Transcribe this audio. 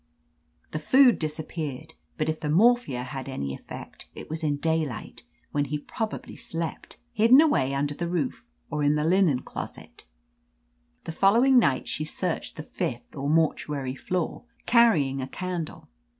The food disappeared, but if the mor^^ia had any effect, it was in daylight, when he probably slept, hidden away m.Jer the roof or in the linen closet "The following night, she searched the fifth, or mortuary floor, carrying a candle.